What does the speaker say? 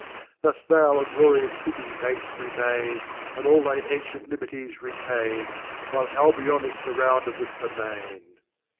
Thus thou a Glorious City may "ft remain, And all thy Ancient Liberties retain, While Albion is fUrrourtded with the Mairr.